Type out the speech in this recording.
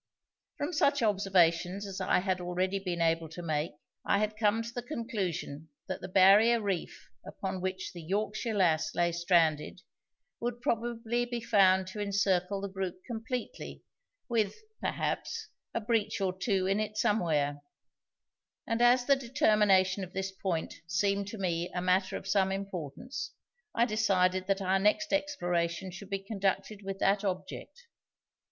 From such observations as I had already been able to make I had come to the conclusion that the barrier reef upon which the Yorkshire Lass lay stranded would probably be found to encircle the group completely with, perhaps, a breach or two in it somewhere; and, as the determination of this point seemed to me a matter of some importance, I decided that our next exploration should be conducted with that object.